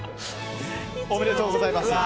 おめでとうございます。